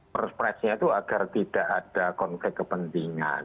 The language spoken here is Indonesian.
pr press nya itu agar tidak ada konflik kepentingan